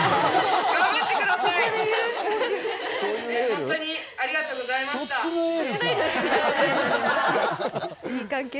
ホントにありがとうございましたホントにね